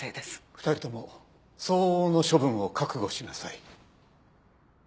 ２人とも相応の処分を覚悟しなさい。